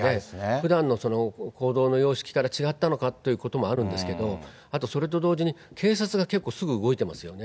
ふだんのその行動の様式から違ったのかっていうこともあるんですけど、あとそれと同時に、警察が結構すぐ動いてますよね。